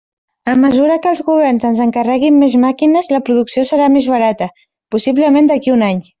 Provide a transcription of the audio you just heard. A mesura que els governs ens encarreguin més màquines, la producció serà més barata, possiblement d'aquí a un any.